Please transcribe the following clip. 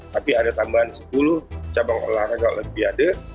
tapi ada tambahan sepuluh cabang olahraga lebih ada